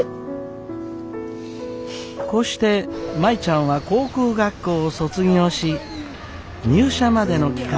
こうして舞ちゃんは航空学校を卒業し入社までの期間